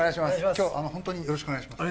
今日はホントによろしくお願いします